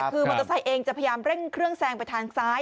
คือมอเตอร์ไซค์เองจะพยายามเร่งเครื่องแซงไปทางซ้าย